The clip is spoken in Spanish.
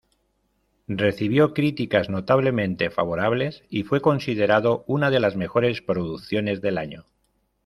Recibió críticas notablemente favorables y fue considerado una de las mejores producciones del año.